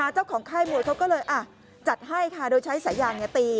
ค่ายมวยเขาก็เลยจัดให้ค่ะโดยใช้สายยางตี